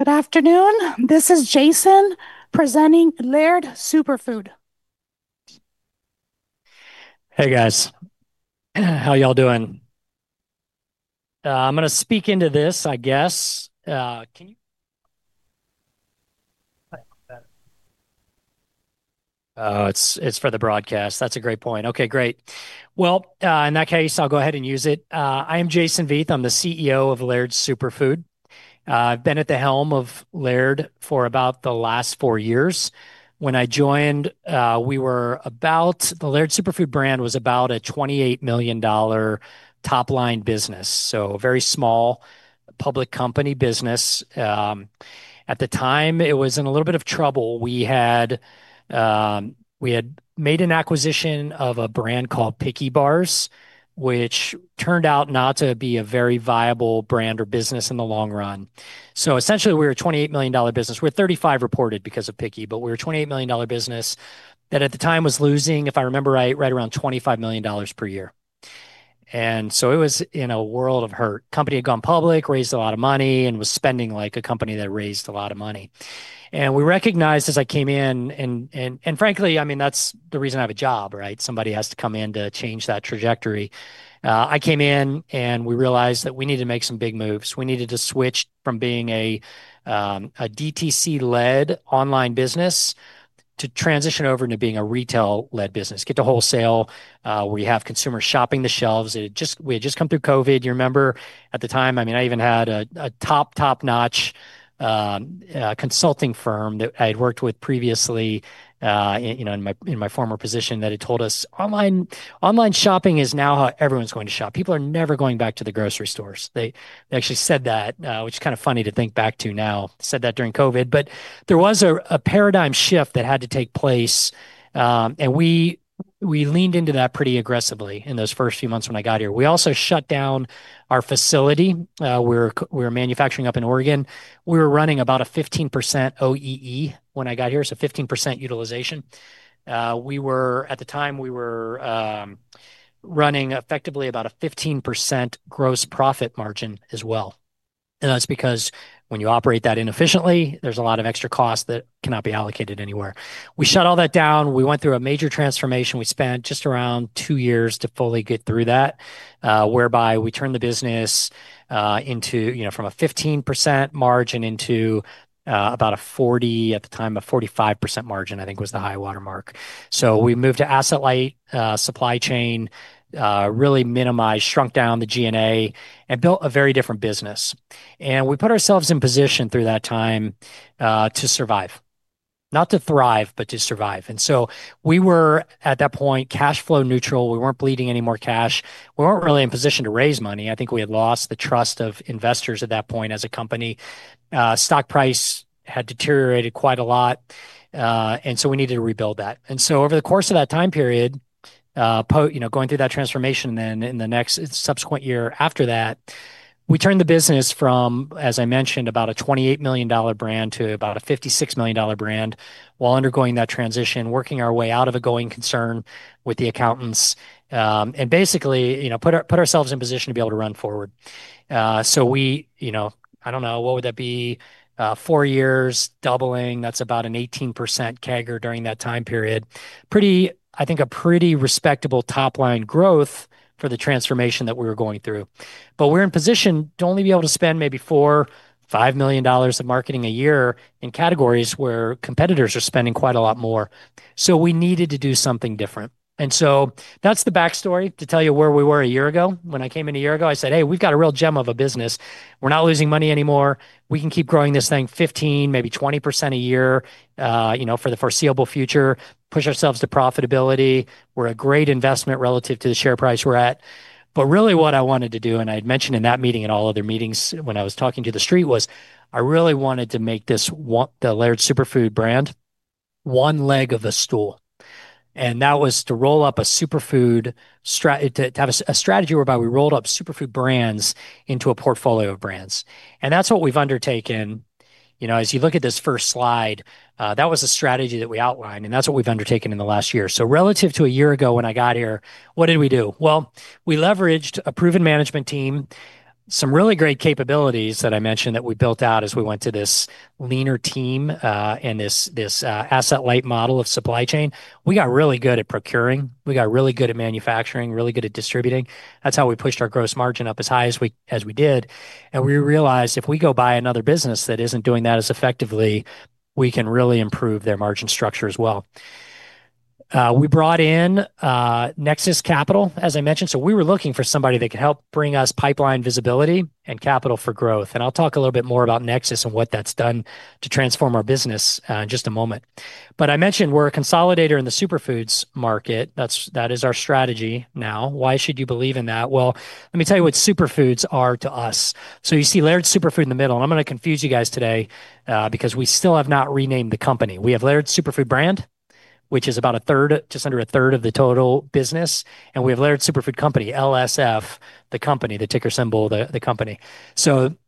Good afternoon. This is Jason presenting Laird Superfood. Hey, guys. How y'all doing? I'm going to speak into this, I guess. Can you click that. Oh, it's for the broadcast. That's a great point. Okay, great. In that case, I'll go ahead and use it. I am Jason Vieth. I'm the CEO of Laird Superfood. I've been at the helm of Laird for about the last four years. When I joined, the Laird Superfood brand was about a $28 million top-line business, so a very small public company business. At the time, it was in a little bit of trouble. We had made an acquisition of a brand called Picky Bars, which turned out not to be a very viable brand or business in the long run. Essentially, we were a $28 million business. We're $35 million reported because of Picky, we were a $28 million business that at the time was losing, if I remember right around $25 million per year. It was in a world of hurt. Company had gone public, raised a lot of money, and was spending like a company that raised a lot of money. We recognized as I came in, and frankly, that's the reason I have a job, right? Somebody has to come in to change that trajectory. I came in, we realized that we needed to make some big moves. We needed to switch from being a DTC-led online business to transition over into being a retail-led business, get to wholesale, where you have consumers shopping the shelves. We had just come through COVID, you remember? At the time, I even had a top-notch consulting firm that I had worked with previously in my former position that had told us, "Online shopping is now how everyone's going to shop. People are never going back to the grocery stores." They actually said that, which is kind of funny to think back to now. Said that during COVID. There was a paradigm shift that had to take place, and we leaned into that pretty aggressively in those first few months when I got here. We also shut down our facility. We were manufacturing up in Oregon. We were running about a 15% OEE when I got here, so 15% utilization. At the time, we were running effectively about a 15% gross profit margin as well. That's because when you operate that inefficiently, there's a lot of extra costs that cannot be allocated anywhere. We shut all that down. We went through a major transformation. We spent just around two years to fully get through that, whereby we turned the business from a 15% margin into about a 40%, at the time, a 45% margin, I think, was the high watermark. We moved to asset light supply chain, really minimized, shrunk down the G&A and built a very different business. We put ourselves in position through that time to survive. Not to thrive, but to survive. We were, at that point, cash flow neutral. We weren't bleeding any more cash. We weren't really in position to raise money. I think we had lost the trust of investors at that point as a company. Stock price had deteriorated quite a lot. We needed to rebuild that. Over the course of that time period, going through that transformation then in the next subsequent year after that, we turned the business from, as I mentioned, about a $28 million brand to about a $56 million brand while undergoing that transition, working our way out of a going concern with the accountants. Basically, put ourselves in position to be able to run forward. We, I don't know, what would that be? Four years doubling, that's about an 18% CAGR during that time period. I think a pretty respectable top-line growth for the transformation that we were going through. We're in position to only be able to spend maybe $4 million, $5 million of marketing a year in categories where competitors are spending quite a lot more. We needed to do something different. That's the backstory to tell you where we were a year ago. When I came in a year ago, I said, "Hey, we've got a real gem of a business. We're not losing money anymore. We can keep growing this thing 15%, maybe 20% a year for the foreseeable future, push ourselves to profitability. We're a great investment relative to the share price we're at." Really what I wanted to do, and I had mentioned in that meeting and all other meetings when I was talking to the street, was I really wanted to make the Laird Superfood brand one leg of the stool. That was to have a strategy whereby we rolled up superfood brands into a portfolio of brands. That's what we've undertaken. As you look at this first slide, that was the strategy that we outlined, and that's what we've undertaken in the last year. Relative to a year ago when I got here, what did we do? Well, we leveraged a proven management team, some really great capabilities that I mentioned that we built out as we went to this leaner team, and this asset-light model of supply chain. We got really good at procuring. We got really good at manufacturing, really good at distributing. That's how we pushed our gross margin up as high as we did. We realized if we go buy another business that isn't doing that as effectively, we can really improve their margin structure as well. We brought in Nexus Capital, as I mentioned. We were looking for somebody that could help bring us pipeline visibility and capital for growth. I'll talk a little bit more about Nexus and what that's done to transform our business in just a moment. I mentioned we're a consolidator in the superfoods market. That is our strategy now. Why should you believe in that? Well, let me tell you what superfoods are to us. You see Laird Superfood in the middle, and I'm going to confuse you guys today because we still have not renamed the company. We have Laird Superfood brand, which is about a third, just under a third of the total business, and we have Laird Superfood Company, LSF, the company, the ticker symbol, the company.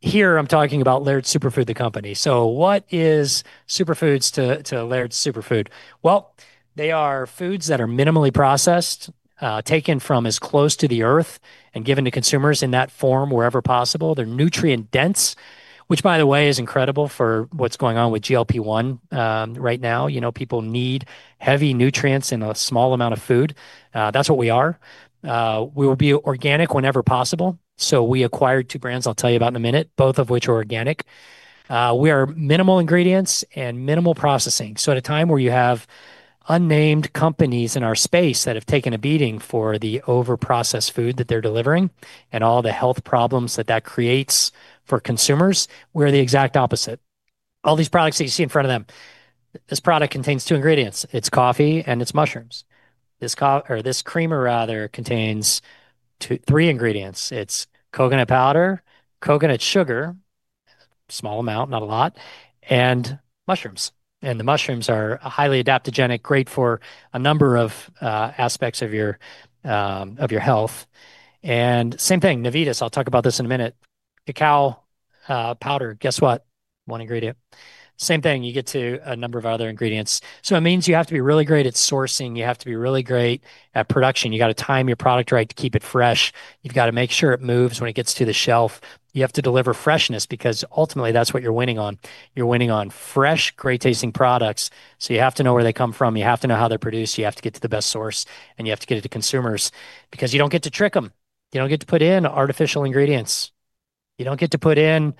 Here I'm talking about Laird Superfood, the company. What is superfoods to Laird Superfood? Well, they are foods that are minimally processed, taken from as close to the Earth, and given to consumers in that form wherever possible. They're nutrient-dense. Which, by the way, is incredible for what's going on with GLP-1 right now. People need heavy nutrients in a small amount of food. That's what we are. We will be organic whenever possible. We acquired two brands I'll tell you about in a minute, both of which are organic. We are minimal ingredients and minimal processing. At a time where you have unnamed companies in our space that have taken a beating for the over-processed food that they're delivering and all the health problems that that creates for consumers, we're the exact opposite. All these products that you see in front of them, this product contains two ingredients, it's coffee and it's mushrooms. This coffee or this creamer rather contains two, three ingredients. It's coconut powder, coconut sugar, small amount, not a lot, and mushrooms. The mushrooms are highly adaptogenic, great for a number of aspects of your health. Same thing, Navitas, I'll talk about this in a minute. Cacao powder, guess what? One ingredient. Same thing, you get to a number of other ingredients. It means you have to be really great at sourcing. You have to be really great at production. You got to time your product right to keep it fresh. You've got to make sure it moves when it gets to the shelf. You have to deliver freshness, because ultimately, that's what you're winning on. You're winning on fresh, great-tasting products. You have to know where they come from. You have to know how they're produced. You have to get to the best source, and you have to get it to consumers because you don't get to trick them. You don't get to put in artificial ingredients. You don't get to put in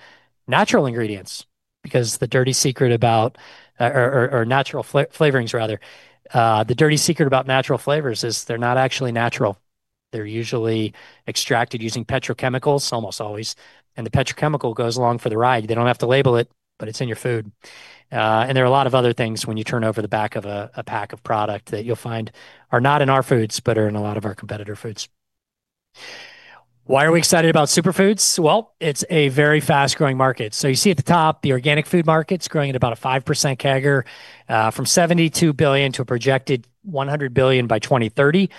natural ingredients because the dirty secret about natural flavorings rather. The dirty secret about natural flavors is they're not actually natural. They're usually extracted using petrochemicals almost always, and the petrochemical goes along for the ride. They don't have to label it, but it's in your food. There are a lot of other things when you turn over the back of a pack of product that you'll find are not in our foods, but are in a lot of our competitor foods. Why are we excited about superfoods? Well, it's a very fast-growing market. You see at the top, the organic food market's growing at about a 5% CAGR, from $72 billion to a projected $100 billion by 2030.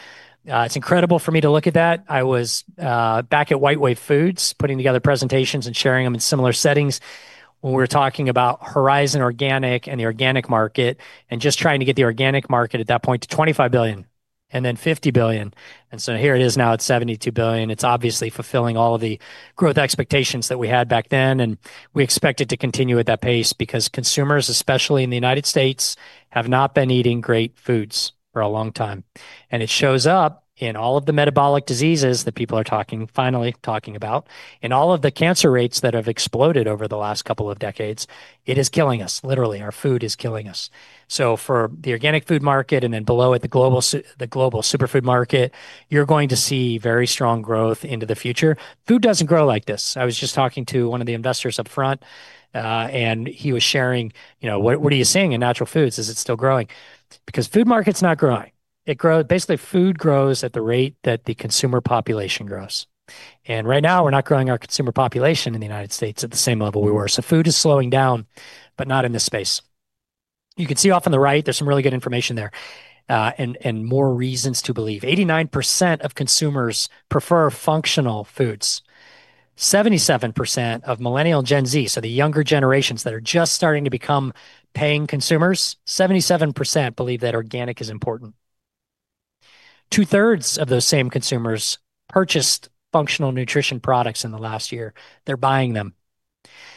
It's incredible for me to look at that. I was back at WhiteWave Foods, putting together presentations and sharing them in similar settings when we were talking about Horizon Organic and the organic market, and just trying to get the organic market at that point to $25 billion and then $50 billion. Here it is now at $72 billion. It's obviously fulfilling all of the growth expectations that we had back then, and we expect it to continue at that pace because consumers, especially in the United States, have not been eating great foods for a long time. It shows up in all of the metabolic diseases that people are talking, finally talking about, and all of the cancer rates that have exploded over the last couple of decades. It is killing us, literally our food is killing us. For the organic food market and then below it, the global superfood market, you are going to see very strong growth into the future. Food doesn't grow like this. I was just talking to one of the investors up front, and he was sharing, "What are you seeing in natural foods? Is it still growing?" Because food market's not growing. Basically, food grows at the rate that the consumer population grows, and right now we're not growing our consumer population in the U.S. at the same level we were. Food is slowing down, but not in this space. You can see off on the right, there's some really good information there, and more reasons to believe. 89% of consumers prefer functional foods. 77% of millennial and Gen Z, the younger generations that are just starting to become paying consumers, 77% believe that organic is important. 2/3 of those same consumers purchased functional nutrition products in the last year. They're buying them.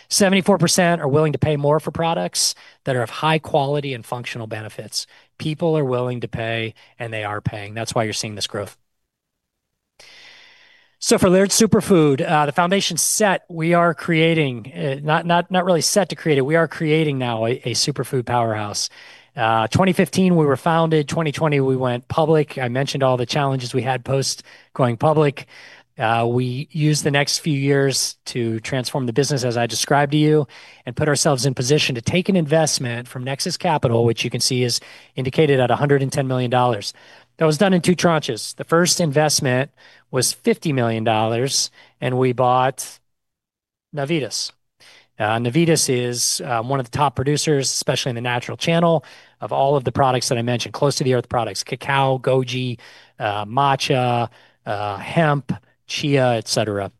74% are willing to pay more for products that are of high quality and functional benefits. People are willing to pay, and they are paying. That's why you're seeing this growth. For Laird Superfood, the foundation's set. We are creating now a superfood powerhouse. 2015 we were founded, 2020 we went public. I mentioned all the challenges we had post going public. We used the next few years to transform the business as I described to you, and put ourselves in position to take an investment from Nexus Capital, which you can see is indicated at $110 million. That was done in two tranches. The first investment was $50 million, and we bought Navitas. Navitas is one of the top producers, especially in the natural channel, of all of the products that I mentioned, close-to-the-earth products, Cacao, Goji, Matcha, Hemp, Chia, et cetera.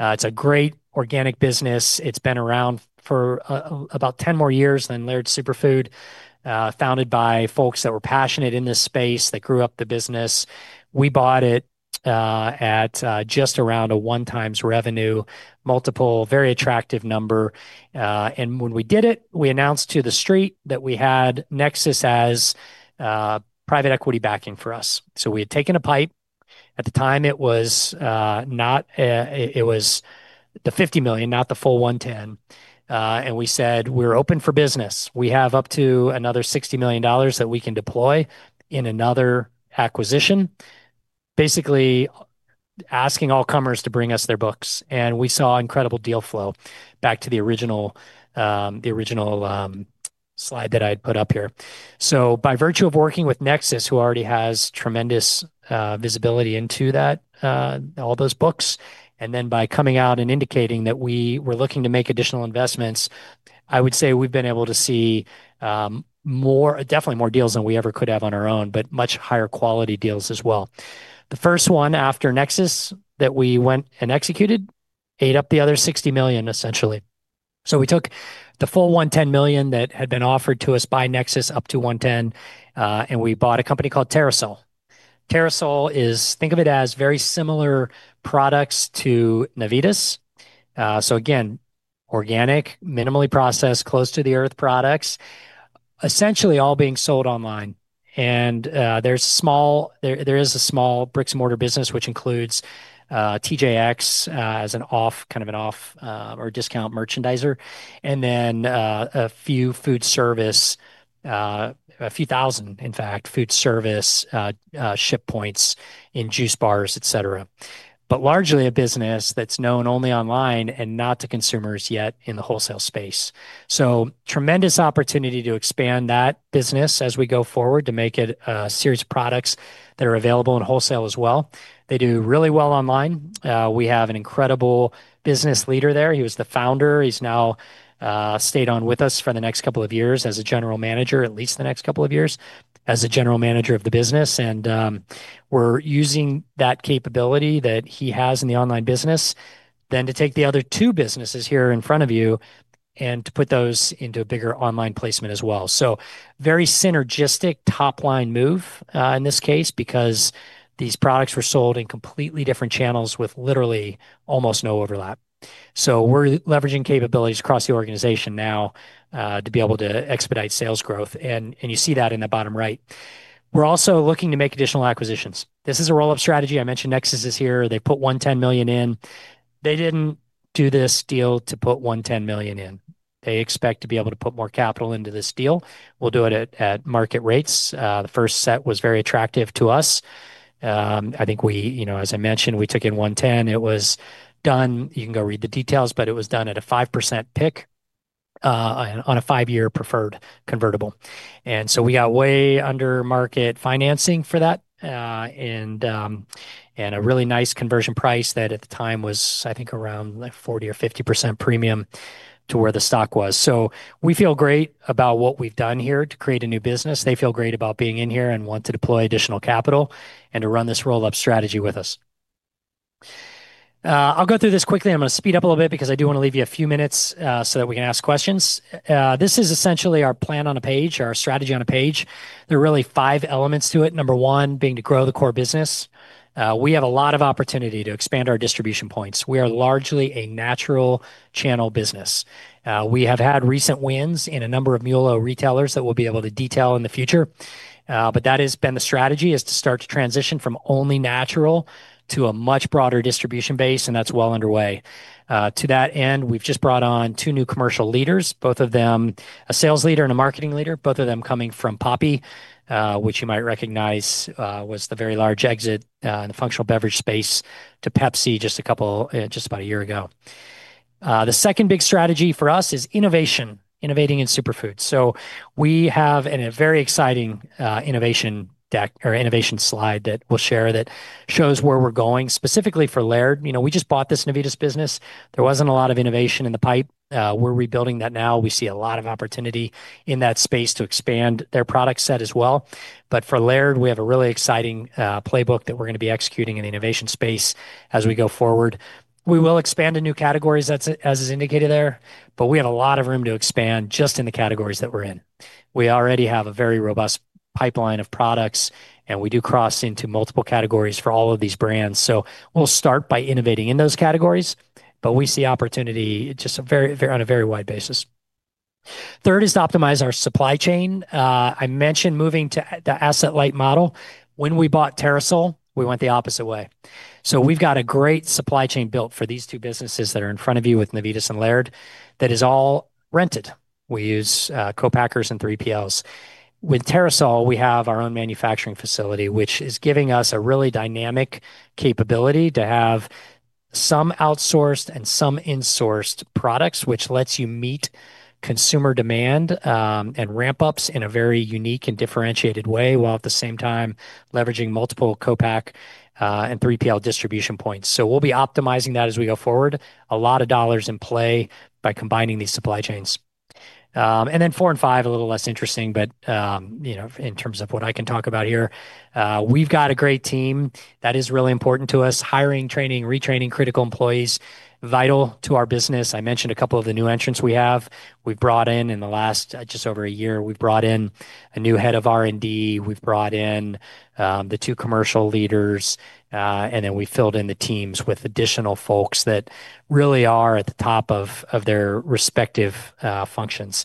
It's a great organic business. It's been around for about 10 more years than Laird Superfood, founded by folks that were passionate in this space. They grew up the business. We bought it at just around a 1x revenue multiple, very attractive number. When we did it, we announced to the Street that we had Nexus as private equity backing for us. We had taken a pipe. At the time it was the $50 million, not the full $110. We said, "We're open for business. We have up to another $60 million that we can deploy in another acquisition." Basically asking all comers to bring us their books, and we saw incredible deal flow back to the original slide that I'd put up here. By virtue of working with Nexus, who already has tremendous visibility into that, all those books, and then by coming out and indicating that we were looking to make additional investments, I would say we've been able to see definitely more deals than we ever could have on our own, but much higher quality deals as well. The first one after Nexus that we went and executed ate up the other $60 million, essentially. We took the full $110 million that had been offered to us by Nexus, up to $110, and we bought a company called Terrasoul. Terrasoul is, think of it as very similar products to Navitas. Again, organic, minimally processed, close-to-the-earth products, essentially all being sold online. There is a small bricks and mortar business, which includes TJX as kind of an off or discount merchandiser, and then a few food service, a few thousand, in fact, food service ship points in juice bars, et cetera. Largely a business that's known only online and not to consumers yet in the wholesale space. Tremendous opportunity to expand that business as we go forward to make it a series of products that are available in wholesale as well. They do really well online. We have an incredible business leader there. He was the founder. He's now, stayed on with us for the next couple of years as a general manager, at least the next couple of years as a general manager of the business. We're using that capability that he has in the online business then to take the other two businesses here in front of you and to put those into a bigger online placement as well. Very synergistic top-line move, in this case, because these products were sold in completely different channels with literally almost no overlap. We're leveraging capabilities across the organization now, to be able to expedite sales growth, and you see that in the bottom right. We're also looking to make additional acquisitions. This is a roll-up strategy. I mentioned Nexus is here. They put $110 million in. They didn't do this deal to put $110 million in. They expect to be able to put more capital into this deal. We'll do it at market rates. The first set was very attractive to us. I think as I mentioned, we took in $110. It was done, you can go read the details, but it was done at a 5% PIK on a five-year preferred convertible. We got way under market financing for that, and a really nice conversion price that at the time was, I think, around 40% or 50% premium to where the stock was. We feel great about what we've done here to create a new business. They feel great about being in here and want to deploy additional capital and to run this roll-up strategy with us. I'll go through this quickly. I'm going to speed up a little bit because I do want to leave you a few minutes, so that we can ask questions. This is essentially our plan on a page, our strategy on a page. There are really five elements to it. Number one being to grow the core business. We have a lot of opportunity to expand our distribution points. We are largely a natural channel business. We have had recent wins in a number of MULO retailers that we'll be able to detail in the future. That has been the strategy, is to start to transition from only natural to a much broader distribution base, and that's well underway. To that end, we've just brought on two new commercial leaders, both of them a sales leader and a marketing leader, both of them coming from Poppi, which you might recognize, was the very large exit, in the functional beverage space to Pepsi just about a year ago. The second big strategy for us is innovation, innovating in superfoods. We have a very exciting innovation slide that we'll share that shows where we're going, specifically for Laird. We just bought this Navitas business. There wasn't a lot of innovation in the pipe. We're rebuilding that now. We see a lot of opportunity in that space to expand their product set as well. For Laird, we have a really exciting playbook that we're going to be executing in the innovation space as we go forward. We will expand to new categories, as is indicated there, but we have a lot of room to expand just in the categories that we're in. We already have a very robust pipeline of products, and we do cross into multiple categories for all of these brands. We'll start by innovating in those categories, but we see opportunity on a very wide basis. Third is to optimize our supply chain. I mentioned moving to the asset-light model. When we bought Terrasoul, we went the opposite way. We've got a great supply chain built for these two businesses that are in front of you with Navitas and Laird that is all rented. We use co-packers and 3PLs. With Terrasoul, we have our own manufacturing facility, which is giving us a really dynamic capability to have some outsourced and some insourced products, which lets you meet consumer demand, and ramp-ups in a very unique and differentiated way, while at the same time leveraging multiple co-pack, and 3PL distribution points. We'll be optimizing that as we go forward. A lot of dollars in play by combining these supply chains. Four and five, a little less interesting, but in terms of what I can talk about here. We've got a great team that is really important to us. Hiring, training, retraining critical employees, vital to our business. I mentioned a couple of the new entrants we have. We've brought in the last just over a year, we've brought in a new head of R&D. We've brought in the two commercial leaders. We filled in the teams with additional folks that really are at the top of their respective functions.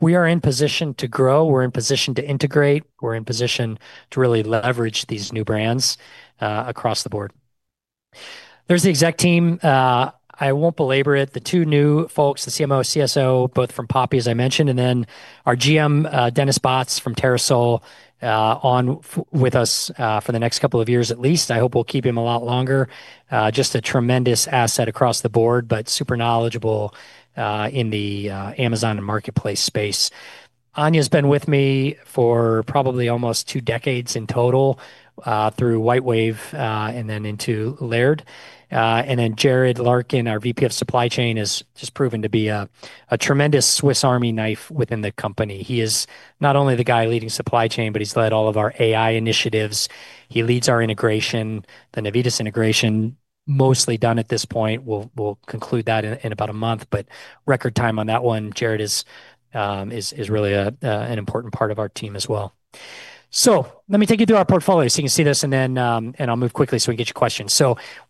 We are in position to grow. We're in position to integrate. We're in position to really leverage these new brands across the board. There's the exec team. I won't belabor it. The two new folks, the CMO, CSO, both from Poppi, as I mentioned, and then our GM, Dennis Botts from Terrasoul, on with us for the next couple of years at least. I hope we'll keep him a lot longer. Just a tremendous asset across the board, but super knowledgeable in the Amazon and Marketplace space. Anya's been with me for probably almost two decades in total, through WhiteWave, and then into Laird. Jared Larkin, our VP of Supply Chain, has just proven to be a tremendous Swiss Army knife within the company. He is not only the guy leading supply chain, but he's led all of our AI initiatives. He leads our integration, the Navitas integration, mostly done at this point. We'll conclude that in about a month, but record time on that one. Jared is really an important part of our team as well. Let me take you through our portfolio so you can see this, and then I'll move quickly so we can get your questions.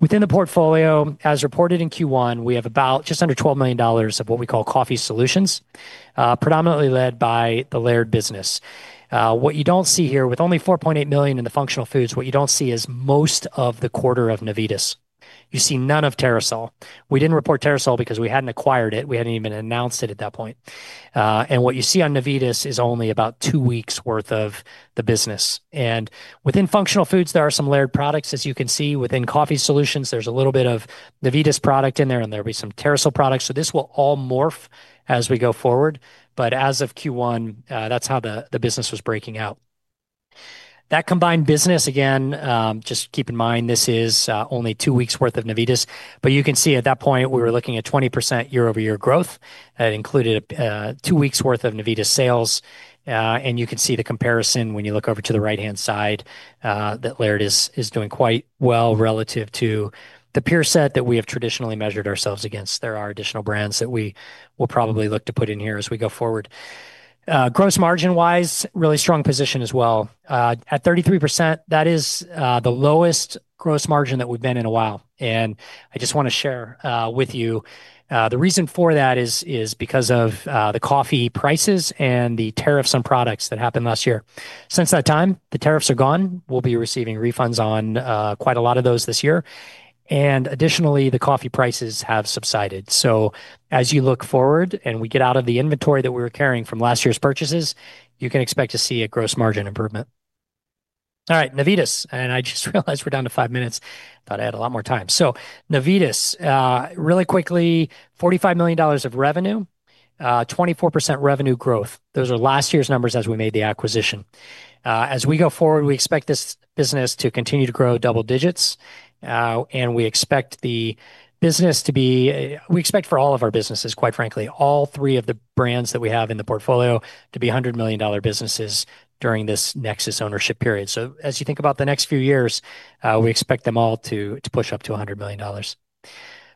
Within the portfolio, as reported in Q1, we have about just under $12 million of what we call coffee solutions, predominantly led by the Laird business. What you don't see here, with only $4.8 million in the functional foods, what you don't see is most of the quarter of Navitas. You see none of Terrasoul. We didn't report Terrasoul because we hadn't acquired it. We hadn't even announced it at that point. What you see on Navitas is only about two weeks worth of the business. Within functional foods, there are some Laird products, as you can see. Within coffee solutions, there's a little bit of Navitas product in there, and there'll be some Terrasoul products. This will all morph as we go forward. As of Q1, that's how the business was breaking out. That combined business, again, just keep in mind, this is only two weeks worth of Navitas. You can see at that point, we were looking at 20% year-over-year growth. That included two weeks worth of Navitas sales. You can see the comparison when you look over to the right-hand side, that Laird is doing quite well relative to the peer set that we have traditionally measured ourselves against. There are additional brands that we will probably look to put in here as we go forward. Gross margin-wise, really strong position as well. At 33%, that is the lowest gross margin that we've been in a while. I just want to share with you, the reason for that is because of the coffee prices and the tariffs on products that happened last year. Since that time, the tariffs are gone. We'll be receiving refunds on quite a lot of those this year. Additionally, the coffee prices have subsided. As you look forward and we get out of the inventory that we were carrying from last year's purchases, you can expect to see a gross margin improvement. All right. Navitas. I just realized we're down to five minutes. Thought I had a lot more time. Navitas, really quickly, $45 million of revenue, 24% revenue growth. Those are last year's numbers as we made the acquisition. As we go forward, we expect this business to continue to grow double digits. We expect for all of our businesses, quite frankly, all three of the brands that we have in the portfolio to be $100 million businesses during this Nexus ownership period. As you think about the next few years, we expect them all to push up to $100 million.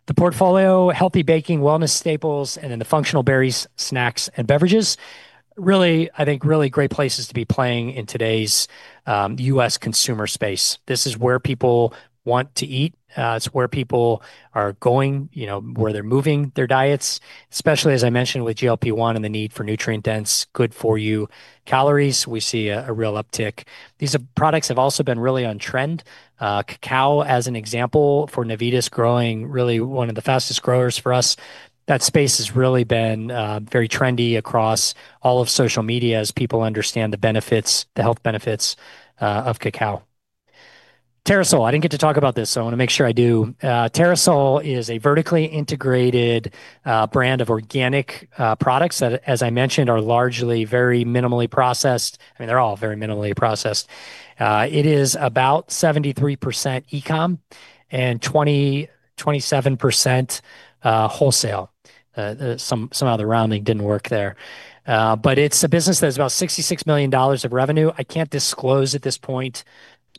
The portfolio, healthy baking, wellness staples, and then the functional berries, snacks, and beverages, really, I think really great places to be playing in today's U.S. consumer space. This is where people want to eat. It's where people are going, where they're moving their diets, especially, as I mentioned, with GLP-1 and the need for nutrient-dense, good-for-you calories. We see a real uptick. These products have also been really on trend. Cacao, as an example, for Navitas growing, really one of the fastest growers for us. That space has really been very trendy across all of social media as people understand the benefits, the health benefits of Cacao. Terrasoul, I didn't get to talk about this, I want to make sure I do. Terrasoul is a vertically integrated brand of organic products that, as I mentioned, are largely very minimally processed. I mean, they're all very minimally processed. It is about 73% e-com and 27% wholesale. Some of the rounding didn't work there. It's a business that has about $66 million of revenue. I can't disclose at this point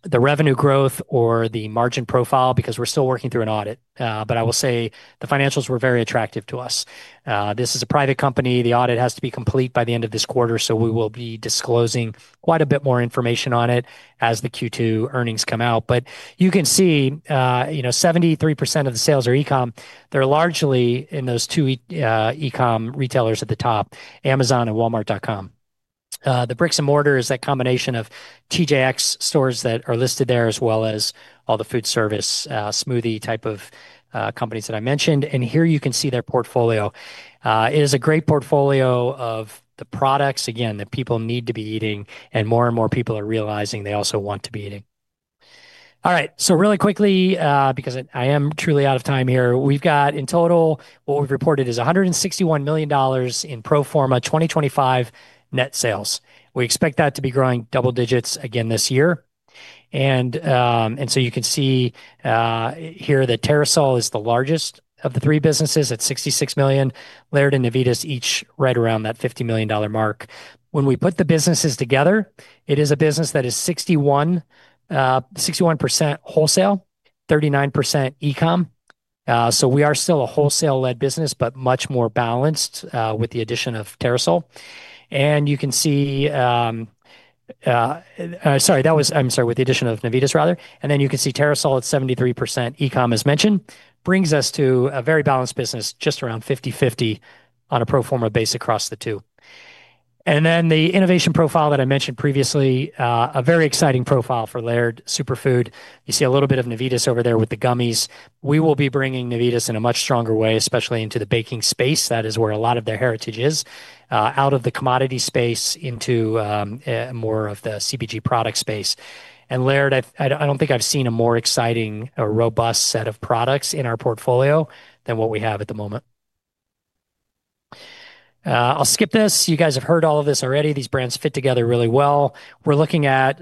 the revenue growth or the margin profile because we're still working through an audit. I will say the financials were very attractive to us. This is a private company. The audit has to be complete by the end of this quarter, so we will be disclosing quite a bit more information on it as the Q2 earnings come out. You can see 73% of the sales are e-com. They're largely in those two e-com retailers at the top, Amazon and walmart.com. The bricks and mortar is that combination of TJX stores that are listed there, as well as all the food service, smoothie type of companies that I mentioned. Here you can see their portfolio. It is a great portfolio of the products, again, that people need to be eating and more and more people are realizing they also want to be eating. All right. Really quickly because I am truly out of time here. We've got in total, what we've reported is $161 million in pro forma 2025 net sales. We expect that to be growing double digits again this year. You can see here that Terrasoul is the largest of the three businesses at $66 million, Laird and Navitas each right around that $50 million mark. When we put the businesses together, it is a business that is 61% wholesale, 39% e-com. We are still a wholesale-led business, but much more balanced with the addition of Terrasoul. You can see. I'm sorry, with the addition of Navitas rather. You can see Terrasoul at 73% e-com, as mentioned. Brings us to a very balanced business, just around 50/50 on a pro forma base across the two. The innovation profile that I mentioned previously, a very exciting profile for Laird Superfood. You see a little bit of Navitas over there with the gummies. We will be bringing Navitas in a much stronger way, especially into the baking space. That is where a lot of their heritage is, out of the commodity space into more of the CPG product space. Laird, I don't think I've seen a more exciting or robust set of products in our portfolio than what we have at the moment. I'll skip this. You guys have heard all of this already. These brands fit together really well. We're looking at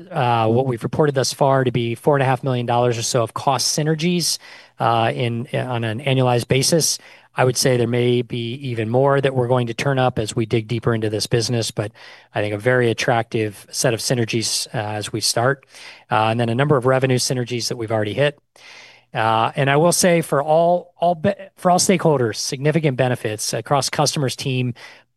what we've reported thus far to be $4.5 million or so of cost synergies on an annualized basis. I would say there may be even more that we're going to turn up as we dig deeper into this business. I think a very attractive set of synergies as we start. A number of revenue synergies that we've already hit. I will say for all stakeholders, significant benefits across customers, team,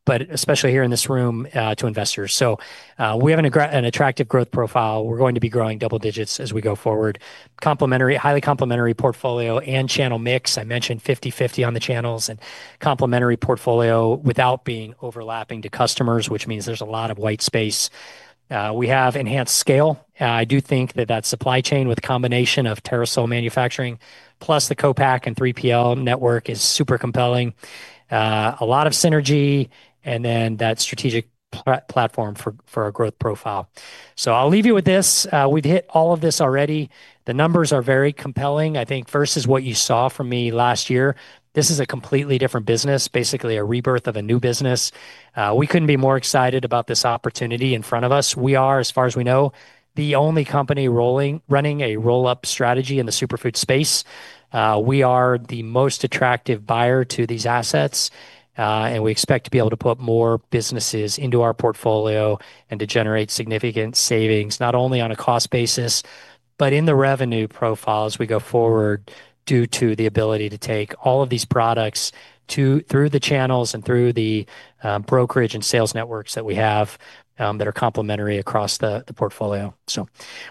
but especially here in this room to investors. We have an attractive growth profile. We're going to be growing double digits as we go forward. Complementary, highly complementary portfolio and channel mix. I mentioned 50/50 on the channels and complementary portfolio without being overlapping to customers, which means there's a lot of white space. We have enhanced scale. I do think that that supply chain with a combination of Terrasoul manufacturing plus the co-pack and 3PL network is super compelling. A lot of synergy and then that strategic platform for our growth profile. I'll leave you with this. We've hit all of this already. The numbers are very compelling. I think versus what you saw from me last year, this is a completely different business, basically a rebirth of a new business. We couldn't be more excited about this opportunity in front of us. We are, as far as we know, the only company running a roll-up strategy in the superfood space. We are the most attractive buyer to these assets, and we expect to be able to put more businesses into our portfolio and to generate significant savings, not only on a cost basis, but in the revenue profile as we go forward, due to the ability to take all of these products through the channels and through the brokerage and sales networks that we have that are complementary across the portfolio.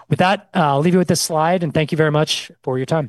With that, I'll leave you with this slide, and thank you very much for your time